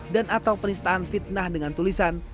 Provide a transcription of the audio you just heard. dan atau penistaan fitnah dengan tulisan